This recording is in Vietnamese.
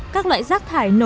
các loại rác thải nổi